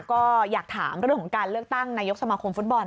ก็อยากถามเรื่องของการเลือกตั้งนายกสมาคมฟุตบอล